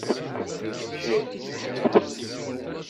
Yečča-k nnḥas.